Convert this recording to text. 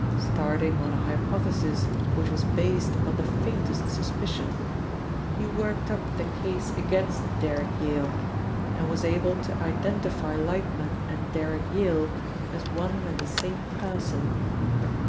Starting on a hypothesis which was based upon the faintest suspicion, he worked up the case against Derrick Yale, and was able to identify Lightman and Derrick Yale as one and the same person.